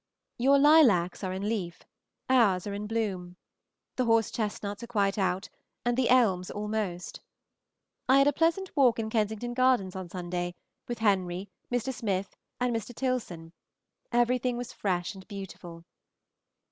Your lilacs are in leaf, ours are in bloom. The horse chestnuts are quite out, and the elms almost. I had a pleasant walk in Kensington Gardens on Sunday with Henry, Mr. Smith, and Mr. Tilson; everything was fresh and beautiful.